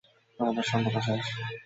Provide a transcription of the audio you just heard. আমাদের সম্পর্ক শেষ।